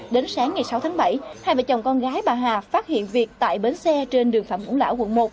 đến sáng ngày sáu tháng bảy hai vợ chồng con gái bà hà phát hiện việc tại bến xe trên đường phạm ngũ lão quận một